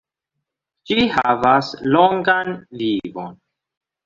Ĝi havas longan vivon.